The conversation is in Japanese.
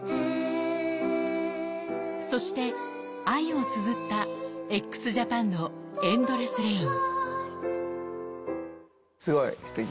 そして愛を綴ったＸＪＡＰＡＮの『ＥＮＤＬＥＳＳＲＡＩＮ』。